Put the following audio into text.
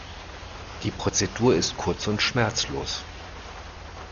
Die Prozedur ist kurz und schmerzlos.